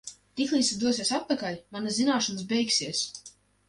Tiklīdz tu dosies atpakaļ, manas zināšanas beigsies.